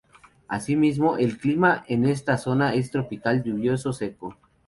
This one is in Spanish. Asimismo, el clima en esta zona es tropical lluvioso seco.